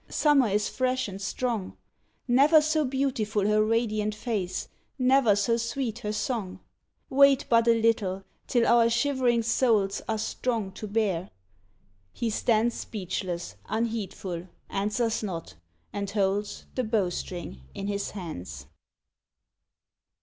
Summer is fresh and strong ; Never so beautiful her radiant face, Never so sweet her song. Wait but a little, till our shivering souls Are strong to bear. He stands Speechless, unheedful, answers not, and holds The bow string in his hands.